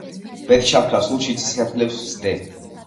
ბედჩამქრალ სულში ციცინათელებს ვსდე